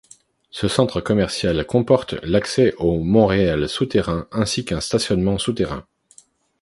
Ce centre commercial comporte l'accès au Montréal souterrain ainsi qu'un stationnement souterrain.